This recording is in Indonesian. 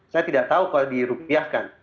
saya tidak tahu kalau dirupiahkan